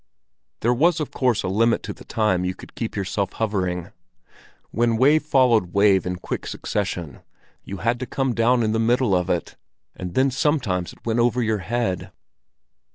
There was of course a limit to the time you could keep yourself hovering. When wave followed wave in quick succession, you had to come down in the middle of it, and then sometimes it went over your head.